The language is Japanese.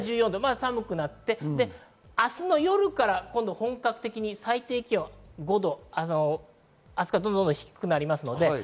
寒くなって明日の夜から本格的に最低気温５度、どんどん低くなります。